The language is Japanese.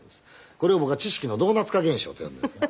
これを僕は知識のドーナツ化現象って呼んでるんです。